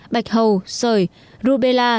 bạch hầu sợi rubella